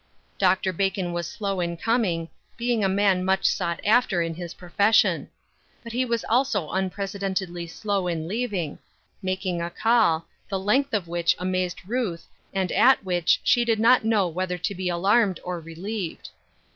Dr. Bacon was slow in coming, being a man much sought after in his profession. But he was also unprecedentedly slow in leaving, making a call, the length of which amazed Ruth and at which she did not 172 Ruth Er shine' 8 Crosses. know whether to be alarmed or relieved.